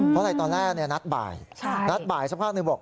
เพราะนี่ตอนแรกหนัดบ่ายหนัดบ่ายสักพักหนึ่งบอก๒โมง